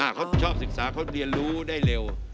เขาชอบศึกษาเขาเรียนรู้ได้เร็ว